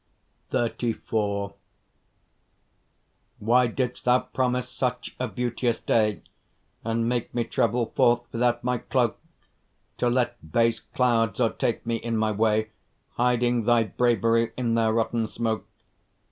XXXIV Why didst thou promise such a beauteous day, And make me travel forth without my cloak, To let base clouds o'ertake me in my way, Hiding thy bravery in their rotten smoke?